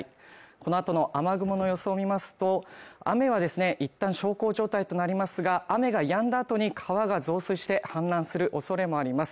この後の雨雲の様子を見ますと、雨はですね、一旦小康状態となりますが、雨が止んだ後に川が増水して氾濫する恐れもあります。